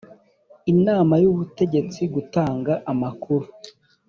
inama yubutegetsi gutanga amakuru